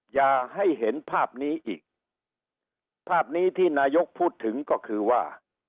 อย่าให้เห็นภาพนี้อีกภาพนี้ที่นายกพูดถึงก็คือว่า